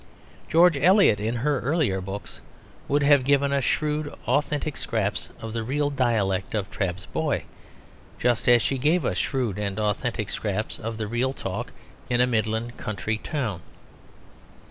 George Eliot in her earlier books would have given us shrewd authentic scraps of the real dialect of Trabb's boy, just as she gave us shrewd and authentic scraps of the real talk in a Midland country town.